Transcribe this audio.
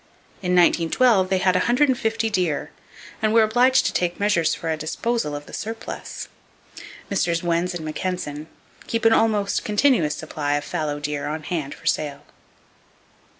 In 1912 they had 150 deer, and were obliged to take measures for a disposal of the surplus. Messrs. Wenz & Mackensen, keep an almost continuous supply of fallow deer on hand for sale.